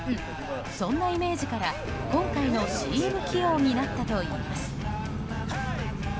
そんなイメージから今回のＣＭ起用になったといいます。